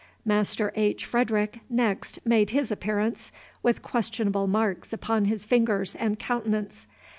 Master H. Frederic next made his appearance, with questionable marks upon his fingers and countenance.